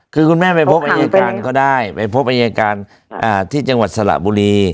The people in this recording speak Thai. คือคุณแม่ไปพบอายการก็ได้ไปพบอายการที่จังหวัดสระบุรี